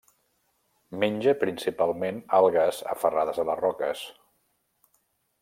Menja principalment algues aferrades a les roques.